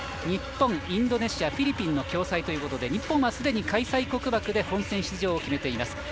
日本、インドネシアフィリピンの共催ということで日本はすでに開催国枠で本戦出場を決めています。